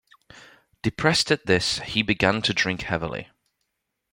Depressed at this, he began to drink heavily.